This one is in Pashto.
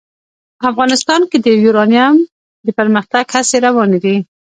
افغانستان کې د یورانیم د پرمختګ هڅې روانې دي.